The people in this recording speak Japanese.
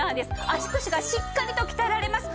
足腰がしっかりと鍛えられます。